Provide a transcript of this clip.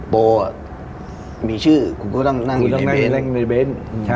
โปมีชื่อคุณก็ต้องนั่งเล่นในเบ้น